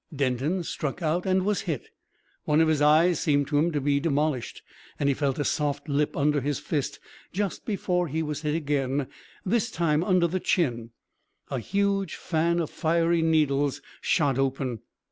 Denton struck out, and was hit. One of his eyes seemed to him to be demolished, and he felt a soft lip under his fist just before he was hit again this time under the chin. A huge fan of fiery needles shot open.